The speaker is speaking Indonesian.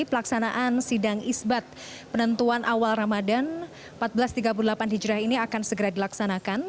pelaksanaan sidang isbat penentuan awal ramadan seribu empat ratus tiga puluh delapan hijriah ini akan segera dilaksanakan